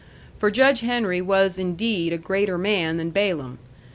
For Judge Henry was indeed a greater man than Balaam.